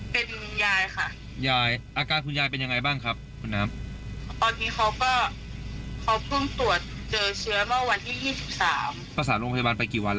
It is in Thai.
ประสานตั้งแต่รู้ว่าว่าเป็นนะคะ